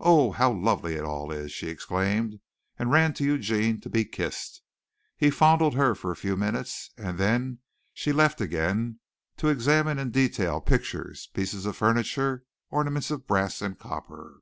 "Oh, how lovely it all is!" she exclaimed and ran to Eugene to be kissed. He fondled her for a few minutes and then she left again to examine in detail pictures, pieces of furniture, ornaments of brass and copper.